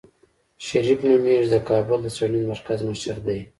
شريف نومېږي د کابل د څېړنيز مرکز مشر دی.